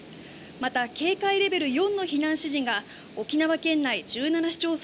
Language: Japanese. また警戒レベル４の避難指示が沖縄県内１７市町村